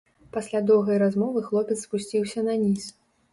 Пасля доўгай размовы хлопец спусціўся наніз.